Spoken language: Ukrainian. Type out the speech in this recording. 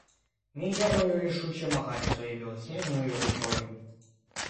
Мій герой рішуче махає своєю білосніжною рукою.